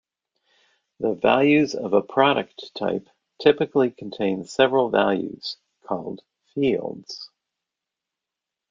The values of a product type typically contain several values, called "fields".